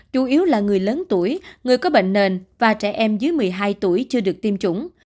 chủ yếu là người lớn tuổi người có bệnh nền và trẻ em dưới một mươi hai tuổi chưa được tiêm chủng